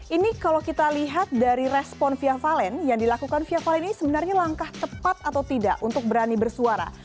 ini kalau kita lihat dari respon via valen yang dilakukan via valen ini sebenarnya langkah tepat atau tidak untuk berani bersuara